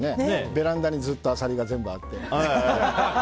ベランダにずっとアサリがあって。